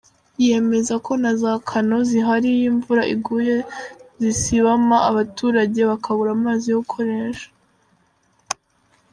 Yemeza ko za caneaux zihari iyo imvura iguye zisibama abaturage bakabura amazi yo gukoresha.